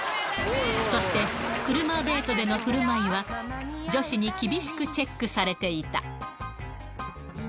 そして、車デートでのふるまいは、女子に厳しくチェックされていた。